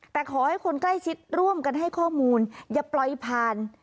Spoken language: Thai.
แต่ขอให้คนใกล้ชิดร่วมกันให้ข้อมูลอย่าปล่อยผ่าน